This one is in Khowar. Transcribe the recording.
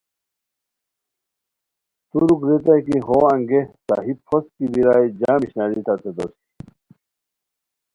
ترک ریتائے کی بو انگے صحیح پھوست کی بیرائے جم اشناری تتے دوسی